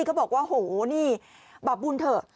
เขาบอกว่าโหนี่บาปบุญเถอะ